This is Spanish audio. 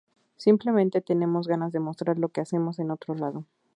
Simplemente tenemos ganas de mostrar lo que hacemos en otro lado.